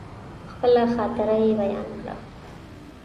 خپله خاطره يې بيان کړه.